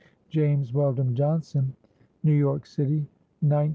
James Weldon Johnson. New York City, 1921.